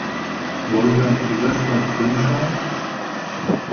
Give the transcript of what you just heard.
Wollen wir an Silvester einen Film schauen?